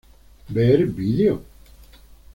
Ver Video